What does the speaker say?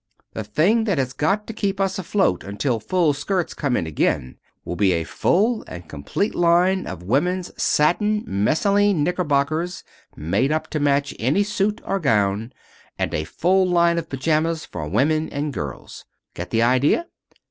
The thing that has got to keep us afloat until full skirts come in again will be a full and complete line of women's satin messaline knickerbockers made up to match any suit or gown, and a full line of pajamas for women and girls. Get the idea?